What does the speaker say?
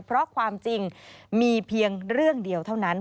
เพราะความจริงมีเพียงเรื่องเดียวเท่านั้น